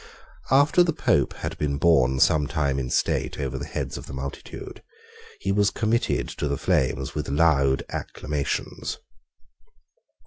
After the Pope had been borne some time in state over the heads of the multitude, he was committed to the flames with loud acclamations.